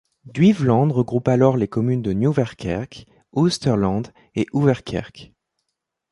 Duiveland regroupe alors les communes de Nieuwerkerk, Oosterland et Ouwerkerk.